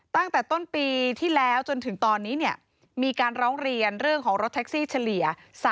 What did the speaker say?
ตั้งแต่ต้นปีที่แล้วจนถึงตอนนี้มีการร้องเรียนเรื่องของรถแท็กซี่เฉลี่ย